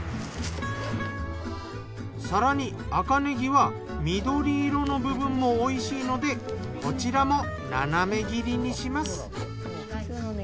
更に赤ねぎは緑色の部分もおいしいのでこちらも斜め切りにします。